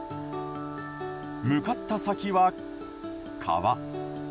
向かった先は、川。